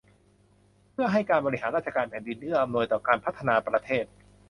เพื่อให้การบริหารราชการแผ่นดิน เอื้ออำนวยต่อการพัฒนาประเทศ